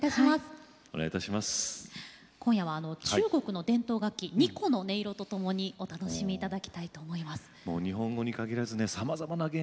今夜は中国の伝統楽器二胡の音色とともにお楽しみいただきたいと思います。